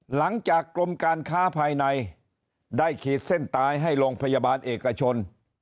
หลังจากกรมการค้าภายในได้ขีดเส้นตายให้โรงพยาบาลเอกชน